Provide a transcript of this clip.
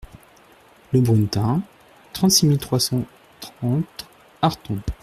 Le Brunetin, trente-six mille trois cent trente Arthon